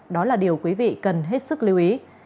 đó là điều quý vị cần hết sức lưu ý